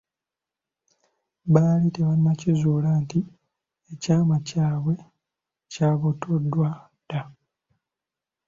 Baali tebannakizuula nti ekyama kyabwe kyabotoddwa dda.